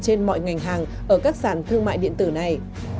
trên mọi ngành hàng ở các sàn thương mại điện tử này